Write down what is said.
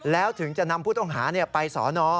แล้วถึงจะนำผู้ต้องหาไปสอนอ